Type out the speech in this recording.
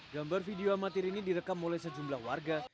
gambar video amatir ini direkam oleh sejumlah warga